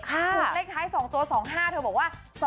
หลุดเลขท้าย๒ตัว๒๕